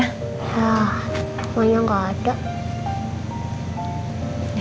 oh pokoknya gak ada